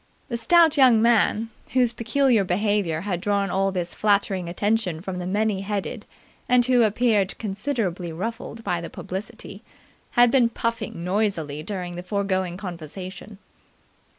The stout young man, whose peculiar behaviour had drawn all this flattering attention from the many headed and who appeared considerably ruffled by the publicity, had been puffing noisily during the foregoing conversation.